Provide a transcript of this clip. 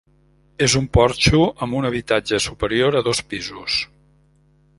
És un porxo amb un habitatge superior de dos pisos.